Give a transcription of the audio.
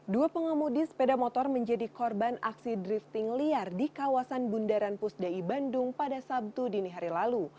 dua pengemudi sepeda motor menjadi korban aksi drifting liar di kawasan bundaran pusdai bandung pada sabtu dini hari lalu